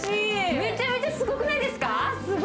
めちゃめちゃすごくないですか。